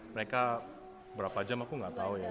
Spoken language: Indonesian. mereka berapa jam aku nggak tahu ya